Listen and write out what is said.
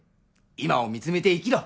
今を見つめて生きろ！